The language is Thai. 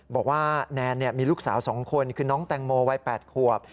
แนนมีลูกสาว๒คนคือน้องแตงโมวัย๘ขวบ